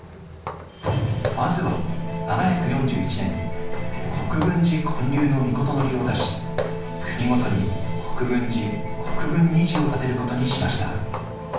まずは７４１年に国分寺建立の詔を出し国ごとに国分寺国分尼寺を建てることにしました。